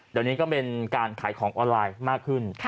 เดี๋ยวนี้ก็เป็นการขายของออนไลน์มากขึ้น